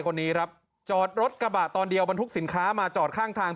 คนนี้ครับจอดรถกระบะตอนเดียวบรรทุกสินค้ามาจอดข้างทาง